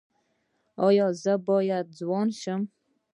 ایا زه باید ځوان شم؟